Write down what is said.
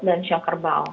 dan show kerbau